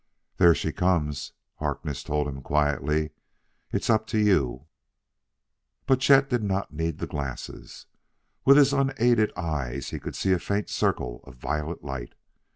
"There she comes," Harkness told him quietly; "it's up to you!" But Chet did not need the glasses. With his unaided eyes he could see a faint circle of violet light.